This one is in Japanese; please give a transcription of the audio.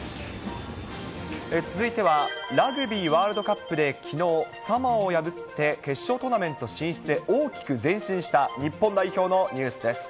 続いてはラグビーワールドカップできのう、サモアを破って決勝トーナメント進出へ大きく前進した日本代表のニュースです。